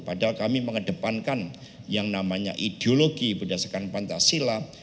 padahal kami mengedepankan yang namanya ideologi berdasarkan pancasila